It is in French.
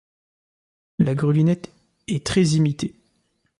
La grelinette est très imitée.